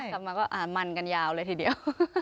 กลับมาก็มันกันยาวเลยทีเดียว